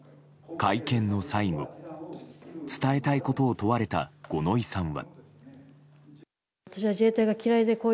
会見の最後、伝えたいことを問われた五ノ井さんは。